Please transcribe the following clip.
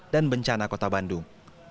dan bencana kota bandung